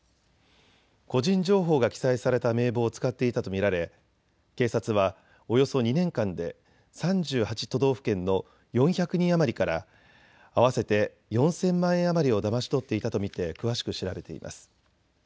個人情報が記載された名簿を使っていたと見られ警察はおよそ２年間で３８都道府県の４００人余りから合わせて４０００万円余りをだまし取っていたと見て詳しく調べています。